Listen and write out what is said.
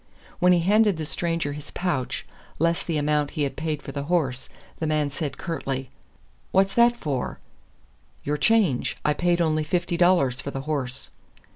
When he handed the stranger his pouch, less the amount he had paid for the horse, the man said curtly: "What's that for?" "Your change. I paid only fifty dollars for the horse."